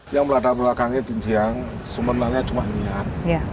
yang melatar belakangnya di siang sebenarnya cuma niat